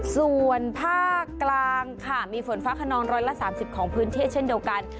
ส่วนภาคกลางค่ะมีฝนฟ้าขนองร้อยละสามสิบของพื้นที่เช่นเดียวกัน